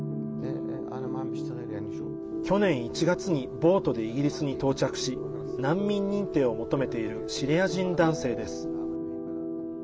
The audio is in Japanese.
去年１月にボートでイギリスに到着し難民認定を求めているシリア人男性です。